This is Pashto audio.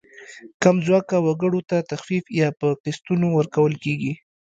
کم ځواکه وګړو ته تخفیف یا په قسطونو ورکول کیږي.